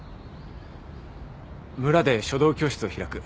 村で書道教室を開く。